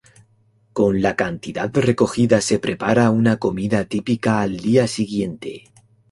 Con la cantidad recogida se prepara una comida típica al día siguiente.